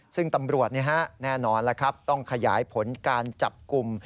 ซึ่งตำรวจแน่นอนแล้วครับต้องขยายผลการจับกลุ่ม